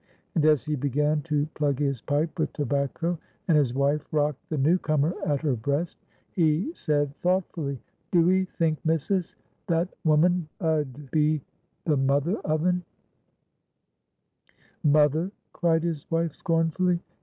And as he began to plug his pipe with tobacco, and his wife rocked the new comer at her breast, he said thoughtfully,— "Do 'ee think, missus, that woman 'ud be the mother of un?" "Mother!" cried his wife, scornfully.